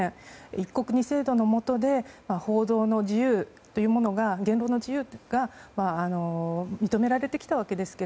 一国二制度のもとで報道の自由、言論の自由が認められてきたわけですが